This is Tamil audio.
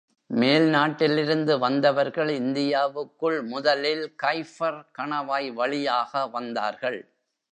மேல் நாட்டிலிருந்து வந்தவர்கள் இந்தியாவுக்குள் முதலில் கைபர் கணவாய் வழியாக வந்தார்கள்.